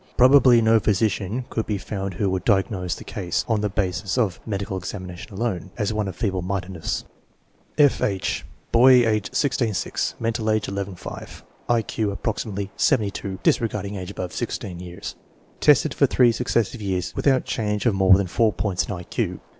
Probably no physician could be found who would diagnose the case, on the basis of a medical examination alone, as one of feeble mindedness. F. H. Boy, age 16 6; mental age 11 5; I Q approximately 72 (disregarding age above 16 years). Tested for three successive years without change of more than four points in I Q.